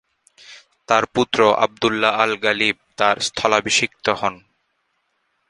তার পুত্র আবদুল্লাহ আল-গালিব তার স্থলাভিষিক্ত হন।